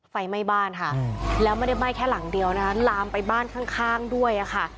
ไฟไหม้บ้านค่ะแล้วไม่ได้ไหม้แค่หลังเดียวนะคะลามไปบ้านข้างด้วยค่ะ